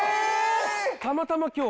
たまたま今日？